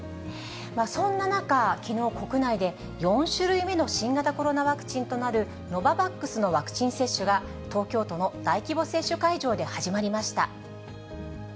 そんな中、きのう、国内で４種類目の新型コロナワクチンとなるノババックスのワクチン接種が、東京都の大規模接種会場で始まりました。